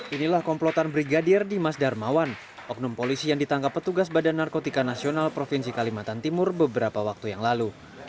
inilah komplotan brigadir dimas darmawan oknum polisi yang ditangkap petugas badan narkotika nasional provinsi kalimantan timur beberapa waktu yang lalu